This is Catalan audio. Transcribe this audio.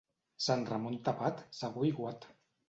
Sant Ramon tapat, segur aiguat.